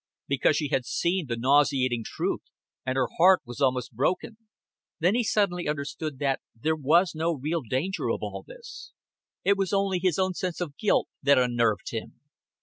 Because she had seen the nauseating truth, and her heart was almost broken. Then he suddenly understood that there was no real danger of all this. It was only his own sense of guilt that unnerved him.